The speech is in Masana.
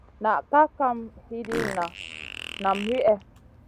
Na kaʼa kam hidina nam wihè.